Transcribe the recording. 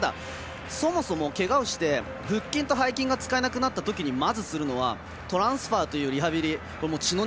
そもそも、けがをして腹筋と背筋が使えなくなったときにまず、するのはトランスファーというリハビリ。